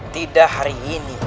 tidak hari ini